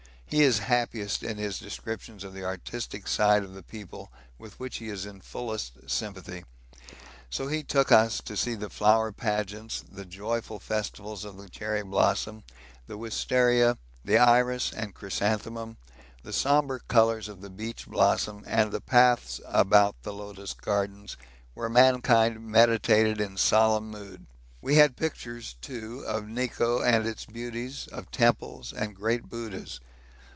He is happiest in his descriptions of the artistic side of the people, with which he is in fullest sympathy. So he took us to see the flower pageants. The joyful festivals of the cherry blossom, the wistaria, the iris and chrysanthemum, the sombre colours of the beech blossom and the paths about the lotus gardens, where mankind meditated in solemn mood. We had pictures, too, of Nikko and its beauties, of Temples and great Buddhas.